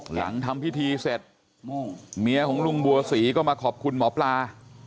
หลังทำพิธีเสร็จเมียของลุงบัวศรีก็มาขอบคุณหมอปลา